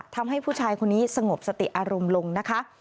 ทำให้ผู้ชายคนนี้สงบสติอารมณ์ลงนะคะ